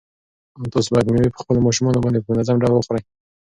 تاسو باید مېوې په خپلو ماشومانو باندې په منظم ډول وخورئ.